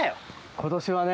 今年はね。